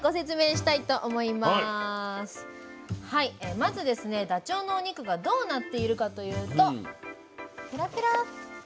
まずですねダチョウのお肉がどうなっているかというと。